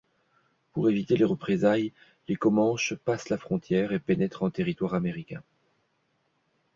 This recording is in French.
Pour éviter les représailles les Comanches passent la frontière et pénètrent en territoire américain….